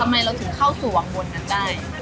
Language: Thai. ทำไมเราถึงเข้าสู่วังบนนั้นได้